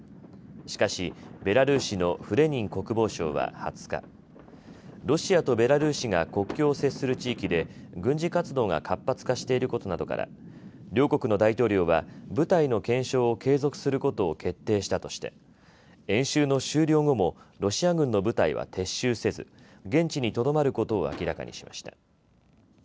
しかしベラルーシのフレニン国防相は２０日ロシアとベラルーシが国境を接する地域で軍事活動が活発化していることなどから両国の大統領は部隊の検証を継続することを決定したとして演習の終了後もロシア軍の部隊は撤収せず現地にとどまることを明らかにしました。